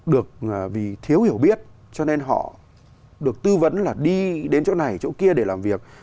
được vì thiếu hiểu biết cho nên họ được tư vấn là đi đến chỗ này chỗ kia để làm việc